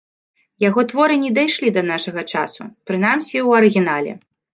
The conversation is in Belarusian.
Яго творы не дайшлі да нашага часу, прынамсі, у арыгінале.